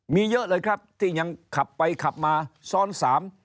มีเยอะเลยครับที่ยังขับไปขับมาซ้อนสาม